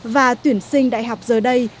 và tuyển sinh đại học giờ đây